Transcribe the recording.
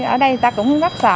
ở đây người ta cũng rất sợ